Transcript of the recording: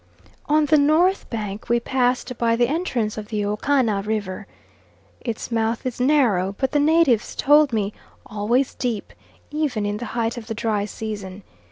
On the north bank we passed by the entrance of the Okana River. Its mouth is narrow, but, the natives told me, always deep, even in the height of the dry season.